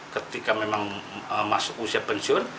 ketika memang masuk usia pensiun